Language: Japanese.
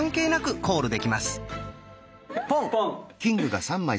ポンはポン！